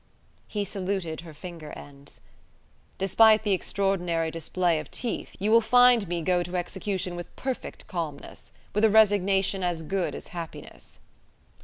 He saluted her finger ends. "Despite the extraordinary display of teeth, you will find me go to execution with perfect calmness; with a resignation as good as happiness."